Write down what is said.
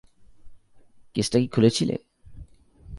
কেসটা কি খুলেছিলে?